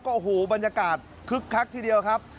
โอ้โหบรรยากาศคึกคักทีเดียวครับ